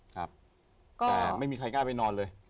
ครับแต่ไม่มีใครกล้าไปนอนเลย